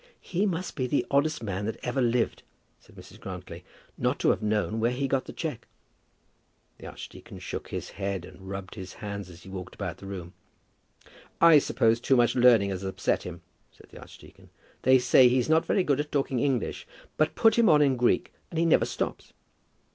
"He must be the oddest man that ever lived," said Mrs. Grantly, "not to have known where he got the cheque." The archdeacon shook his head, and rubbed his hands as he walked about the room. "I suppose too much learning has upset him," said the archdeacon. "They say he's not very good at talking English, but put him on in Greek and he never stops."